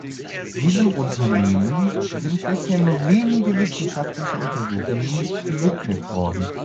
Diesem Unternehmen sind bisher nur wenige wissenschaftliche Untersuchungen gewidmet worden.